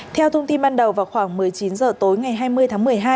theo thông tin ban đầu vào khoảng một mươi chín h tối ngày hai mươi tháng một mươi hai